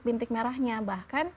dan bintik merahnya bahkan